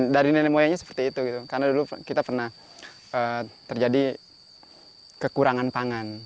dari nenek moyangnya seperti itu karena dulu kita pernah terjadi kekurangan pangan